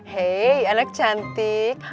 hei anak cantik